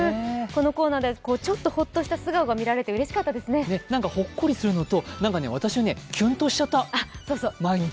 このコーナーではちょっとほっとした素顔が見られてなんかほっこりするのと私ね、キュンとしちゃった、毎日。